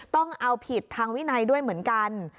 ต้องเอาผิดทางวินัยด้วยเหมือนกัน